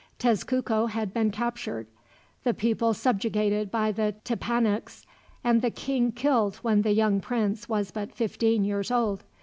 Tezcuco had been captured, the people subjugated by the Tepanecs, and the king killed when the young prince was but fifteen years old.